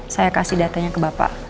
saya kasih datanya ke bapak